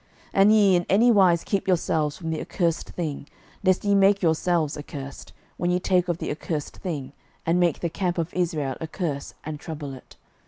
06:006:018 And ye, in any wise keep yourselves from the accursed thing, lest ye make yourselves accursed, when ye take of the accursed thing, and make the camp of Israel a curse, and trouble it.